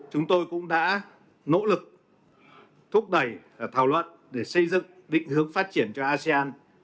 chúng tôi cũng đã nỗ lực thúc đẩy thảo luận để xây dựng định hướng phát triển cho asean